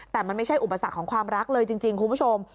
แต่มันไม่ใช่อุปสรรคของความรักเลยจริงคุณผู้ชม